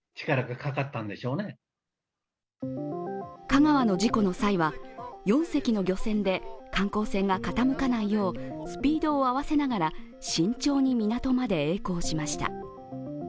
香川の事故の際は４隻の漁船で観光船が傾かないようスピードを合わせながら慎重に港までえい航しました。